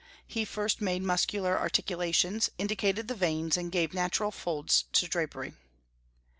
He first made muscular articulations, indicated the veins, and gave natural folds to drapery.